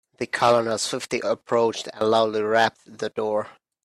The colonel swiftly approached and loudly rapped the door.